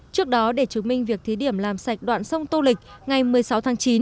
trước đó để chứng minh việc thí điểm làm sạch đoạn sông tô lịch ngày một mươi sáu tháng chín